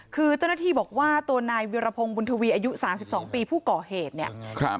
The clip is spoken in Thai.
คือเจ้าหน้าที่บอกว่าตัวนายวิรพงศ์บุญทวีอายุ๓๒ปีผู้ก่อเหตุเนี่ย